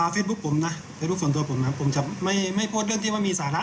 ฟิทบุ๊คผมนะผมจะไม่ไว้โพสต์เรื่องที่มีสาระ